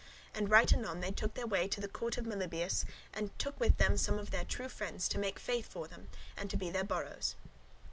And right anon they took their way to the court of Melibœus, and took with them some of their true friends, to make faith for them, and for to be their borrows [sureties].